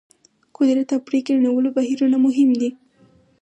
قدرت او پرېکړې نیولو بهیرونه مهم دي.